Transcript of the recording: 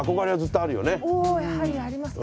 おやはりありますか。